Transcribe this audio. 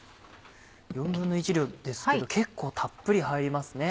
１／４量ですけど結構たっぷり入りますね。